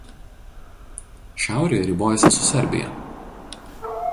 Šiaurėje ribojasi su Serbija.